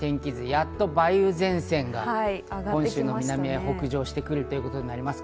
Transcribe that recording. やっと梅雨前線が本州の南へ北上してくるということになります。